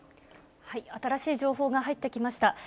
新しい情報が入ってきました。